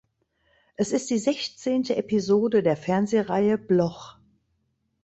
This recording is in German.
Es ist die sechzehnte Episode der Fernsehreihe "Bloch".